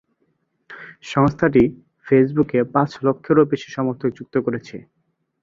সংস্থাটি ফেসবুকে পাঁচ লক্ষেরও বেশি সমর্থক যুক্ত করেছে।